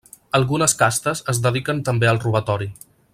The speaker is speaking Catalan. Algunes castes es dediquen també al robatori.